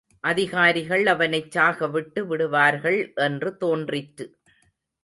அதிகாரிகள் அவனைச்சாகவிட்டு விடுவார்கள் என்று தோன்றிற்று.